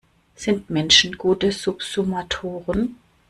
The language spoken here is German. Sind Menschen gute Subsummatoren?